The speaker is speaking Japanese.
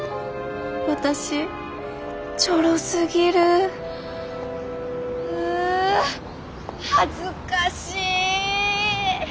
私チョロすぎるう恥ずかし。